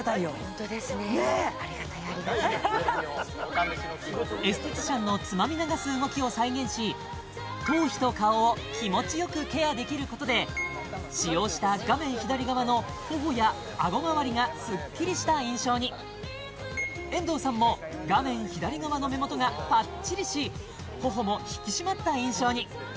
本当ですねありがたやありがたやエステティシャンのつまみ流す動きを再現し頭皮と顔を気持ちよくケアできることで使用した画面左側の頬や顎まわりがスッキリした印象に遠藤さんも画面左側の目元がパッチリし頬も引き締まった印象に！